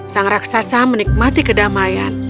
sang raksasa menikmati kedamaian